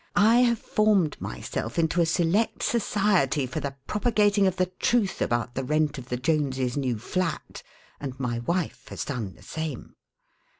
I have formed myself into a select society for the propagating of the truth about the rent of the Joneses' new flat, and my wife has done the same.